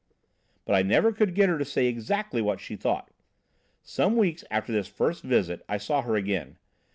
"But I never could get her to say exactly what she thought. Some weeks after this first visit I saw her again.